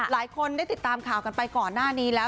หลายคนได้ติดตามข่าวกันไปก่อนหน้านี้แล้ว